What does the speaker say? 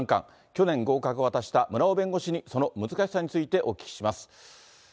去年合格を果たした村尾弁護士に、その難しさについてお聞きします。